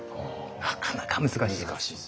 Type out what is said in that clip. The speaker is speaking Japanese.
なかなか難しい。